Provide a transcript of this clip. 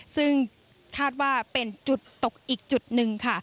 ซึ่งคาดว่าเป็นจุดตกอีกจุดหนึ่งค่ะ